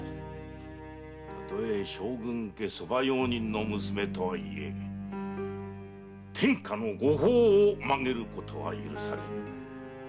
たとえ将軍家側用人の娘とはいえ天下の御法を曲げることは許されぬ。